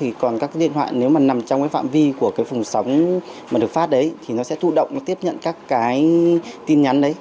thì còn các điện thoại nếu mà nằm trong cái phạm vi của cái phùng sóng mà được phát đấy thì nó sẽ tự động tiếp nhận các cái tin nhắn đấy